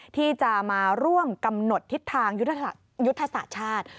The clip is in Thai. ที่จะมาร่วมกำหนดทิศทางยุทธศาสตร์ชาติ